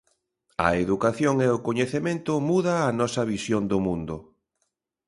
A educación e o coñecemento muda a nosa visión do mundo.